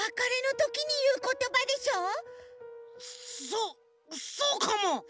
そっそうかも！